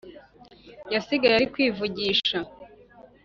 yasigaye ari kwivugisha